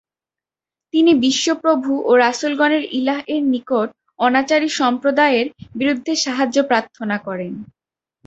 তিনি বিশ্ব প্রভু ও রাসূলগণের ইলাহ্-এর নিকট অনাচারী সম্প্রদায়ের বিরুদ্ধে সাহায্য প্রার্থনা করেন।